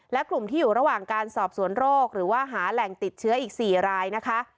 และกลุ่มที่อยู่ระหว่างการสอบสวนโรคหรือว่าหาแหล่งติดเชื้ออีก๔รายนะคะ